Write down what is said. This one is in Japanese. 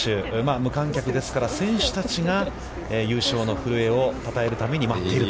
無観客ですから、選手たちが優勝の古江をたたえるために待っていると。